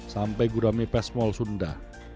sampai gurami pes mol sunda